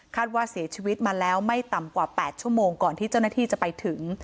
ว่าเสียชีวิตมาแล้วไม่ต่ำกว่า๘ชั่วโมงก่อนที่เจ้าหน้าที่จะไปถึง